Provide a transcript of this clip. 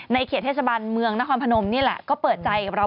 เขตเทศบาลเมืองนครพนมนี่แหละก็เปิดใจกับเรา